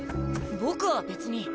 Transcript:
僕は別に。